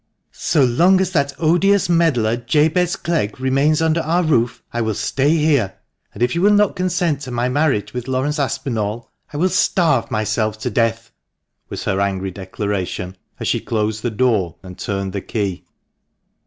" So long as that odious meddler, Jabez Clegg, remains under our roof, I will stay here ; and if you will not consent to my marriage with Laurence Aspinall, I will starve myself to death !" was her angry declaration, as she closed the door and turned the key.